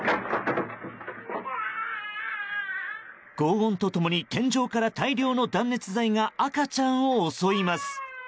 轟音と共に天井から大量の断熱材が赤ちゃんを襲います。